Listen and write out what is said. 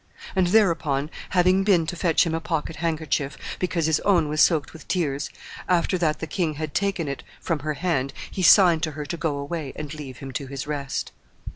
And thereupon, having been to fetch him a pocket handkerchief, because his own was soaked with tears, after that the king had taken it from her hand, he signed to her to go away and leave him to his rest."